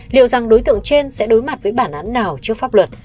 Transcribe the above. liệu rằng đối tượng trên sẽ đối mặt với bản án nào trước pháp luật